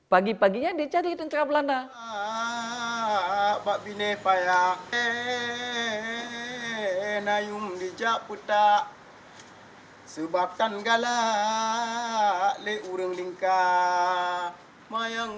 pagi paginya dia cari tentara belanda